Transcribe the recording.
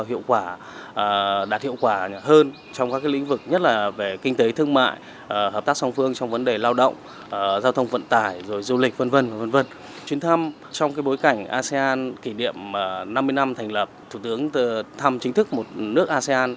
thủ tướng thăm chính thức một nước asean